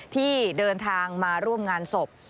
ที่เดินทางมาร่วมงานศพ